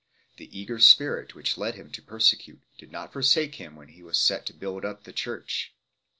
The eager spirit which led him to persecute did not forsake him when he was set to build up the church.